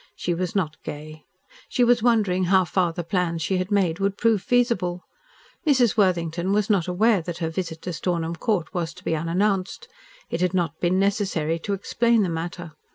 She was not gay. She was wondering how far the plans she had made would prove feasible. Mrs. Worthington was not aware that her visit to Stornham Court was to be unannounced. It had not been necessary to explain the matter.